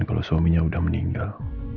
kalau suaminya sudah meninggal